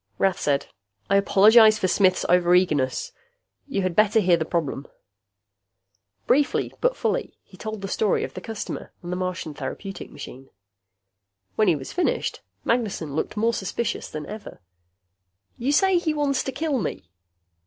Rath said, "I apologize for Smith's over eagerness. You had better hear the problem." Briefly but fully, he told the story of the customer and the Martian therapeutic machine. When he was finished, Magnessen looked more suspicious than ever. "You say he wants to kill me?"